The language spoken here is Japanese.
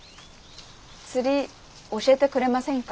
釣り教えてくれませんか？